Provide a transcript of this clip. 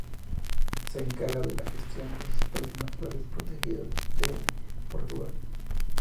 Se encarga de la gestión de los espacios naturales protegidos de Portugal.